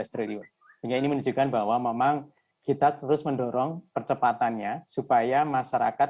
satu ratus dua puluh tiga enam belas triliun ini menunjukkan bahwa memang kita terus mendorong percepatannya supaya masyarakat